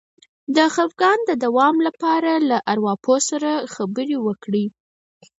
د خپګان د دوام لپاره له ارواپوه سره خبرې وکړئ